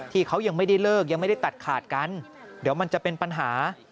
ที่เขายังไม่ได้เลิกยังไม่ได้ตัดขาดกันเดี๋ยวมันจะเป็นปัญหา